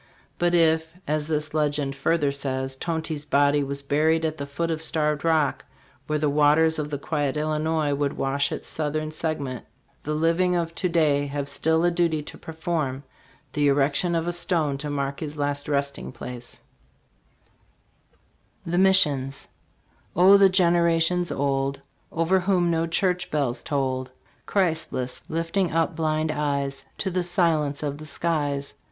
But if, as this legend further says, Tonty's body was buried at the foot of Starved Rock where the waters of the quiet Illinois would wash its southern segment, the living of to day have still a duty to perform: the erection of a stone to mark his last resting place. *PABKMAN : "LaSalle, etc.," 411. Note. fMATSON : "French and Indians on Illinois River." THE MISSIONS. Oh, the generations old, Over whom no church bells tolled, Christless, lifting up blind eyes To the silence of the skies.